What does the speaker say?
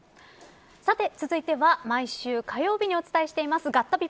さて続いては、毎週火曜日にお伝えしていますガッタビ！！